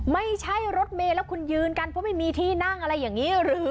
ไม่ใช่รถเมย์แล้วคุณยืนกันเพราะไม่มีที่นั่งอะไรอย่างนี้หรือ